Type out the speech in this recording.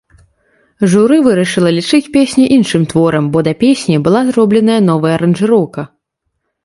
Журы вырашыла лічыць песню іншым творам, бо да песні была зробленая новая аранжыроўка.